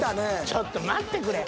［ちょっと待ってくれ］